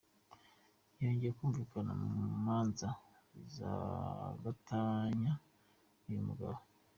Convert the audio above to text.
Yongeye kumvikana mu manza z’agatanganya n’uyu mugabo.